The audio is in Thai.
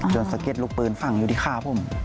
สะเก็ดลูกปืนฝั่งอยู่ที่ขาผม